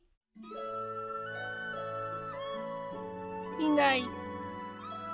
いない。